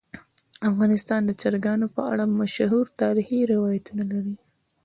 افغانستان د چرګانو په اړه مشهور تاریخی روایتونه لري.